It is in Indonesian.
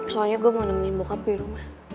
soalnya gue mau nemenin bokap di rumah